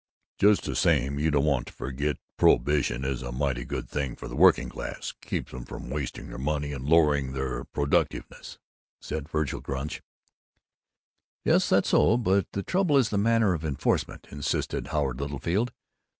"Just the same, you don't want to forget prohibition is a mighty good thing for the working classes. Keeps 'em from wasting their money and lowering their productiveness," said Vergil Gunch. "Yes, that's so. But the trouble is the manner of enforcement," insisted Howard Littlefield.